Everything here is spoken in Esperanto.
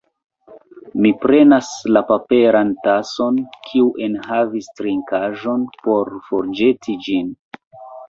Mi prenas la paperan tason, kiu enhavis trinkaĵon, por forĵeti ĝin.